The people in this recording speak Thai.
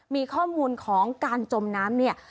มีข้อมูลของการจมน้ำเนี่ย